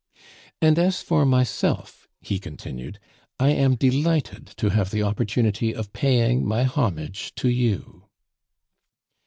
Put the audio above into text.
"And as for myself," he continued, "I am delighted to have the opportunity of paying my homage to you."